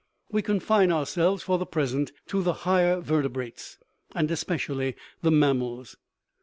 We confine ourselves for the present to the higher ver tebrates, and especially the mammals.